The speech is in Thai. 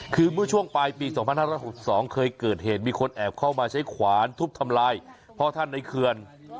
คือเมื่อช่วงปลายปีสองพันห้าร้อยหกสองเคยเกิดเหตุมีคนแอบเข้ามาใช้ขวานทุบทำลายพ่อท่านในเคือน